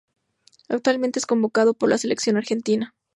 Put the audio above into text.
Actualmente es convocado por la Selección Argentina.